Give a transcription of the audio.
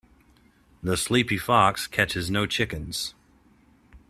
The sleepy fox catches no chickens.